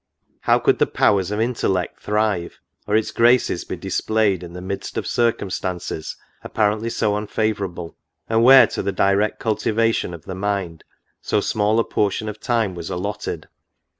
How could the powers of intellect thrive, or its graces be displayed, in the midst of circumstances apparently so unfavourable, and where, to the direct cultivation of the mind, so small a portion of time was allotted